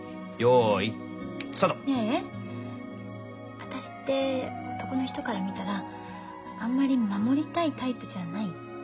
私って男の人から見たらあんまり守りたいタイプじゃない？